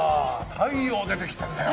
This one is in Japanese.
太陽出てきたんだよ！